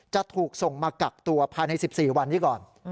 จะถูกส่งมากักตัวภายใน๑๔วันนี้ก่อน